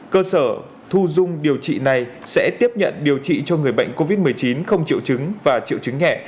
cơ sở thu dung điều trị này sẽ tiếp nhận điều trị cho người bệnh covid một mươi chín không triệu chứng và triệu chứng nhẹ